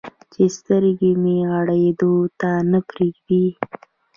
چې سترګې مې غړېدو ته نه پرېږدي.